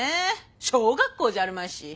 小学校じゃあるまいし。